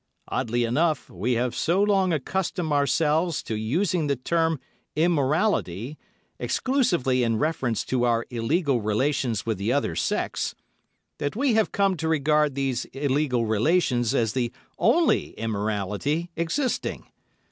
Oddly enough, we have so long accustomed ourselves to using the term immorality exclusively in reference to our illegal relations with the other sex, that we have come to regard these illegal relations as the only immorality existing.